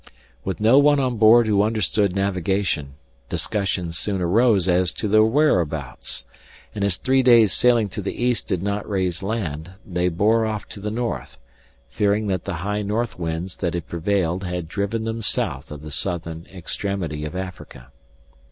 With no one on board who understood navigation, discussions soon arose as to their whereabouts; and as three days' sailing to the east did not raise land, they bore off to the north, fearing that the high north winds that had prevailed had driven them south of the southern extremity of Africa.